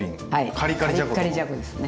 カリカリじゃこですね。